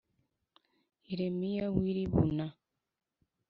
Yeremiya w i Libuna